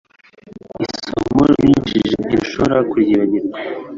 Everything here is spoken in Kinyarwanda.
Isomo mwigishije ntidushobora ku ryibagirwa